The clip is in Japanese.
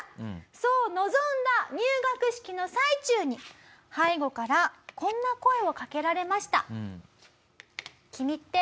そう臨んだ入学式の最中に背後からこんな声をかけられました。